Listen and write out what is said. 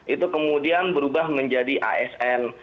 itu kemudian berubah menjadi asn